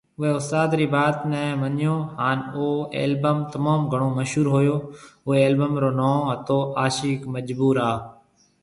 اوئي استاد ري بات ني مڃيو ھان او البم تموم گھڻو مشھور ھوئو اوئي البم رو نون ھتو عاشق مجبور آ